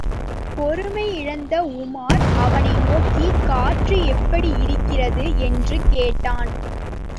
பொறுமையிழந்த உமார் அவனை நோக்கி, காற்று எப்படி இருக்கிறது? என்று கேட்டான்.